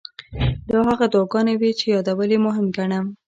دا هغه دعاګانې وې چې یادول یې مهم ګڼم.